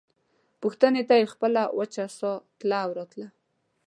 پوښتنې ته مې خپله وچه ساه تله او راتله.